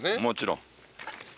もちろん。